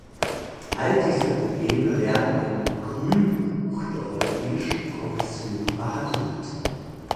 All diese Probleme werden im Grünbuch der Europäischen Kommission behandelt.